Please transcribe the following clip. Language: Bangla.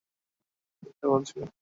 কলেজে মিথ্যা কেন বলেছ?